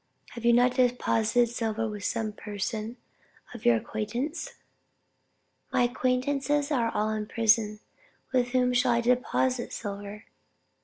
"Have you not deposited silver with some person of your acquaintance?" My acquaintances are all in prison, with whom should I deposit silver?